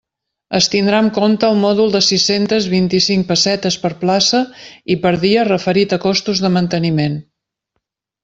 Es tindrà en compte el mòdul de sis-centes vint-i-cinc pessetes per plaça i per dia referit a costos de manteniment.